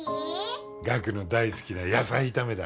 岳の大好きな野菜炒めだ